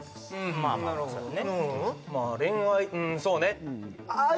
まあまあそうやね